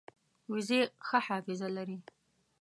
وزې ښه حافظه لري